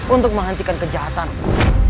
untuk menghentikan kejahatanmu